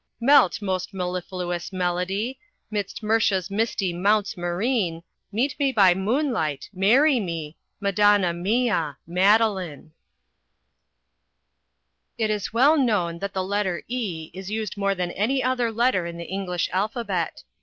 "Melt, most mellifluous melody, 'Midst Murcia's misty mounts marine, Meet me by moonlight marry me, Madonna mia! Madeline." It is well known that the letter e is used more than any other letter in the English alphabet.